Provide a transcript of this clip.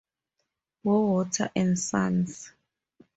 Bowater and Sons.